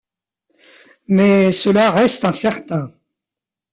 Mais cela reste incertain.